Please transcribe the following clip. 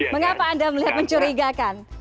mengapa anda melihat mencurigakan